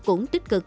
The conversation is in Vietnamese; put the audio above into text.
cũng tích cực